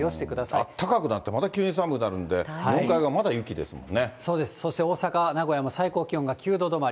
あったかくなって、また急に寒くなるんで、日本海側、まだ雪そうです、そして大阪、名古屋も最高気温が９度止まり。